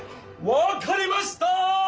わかりました！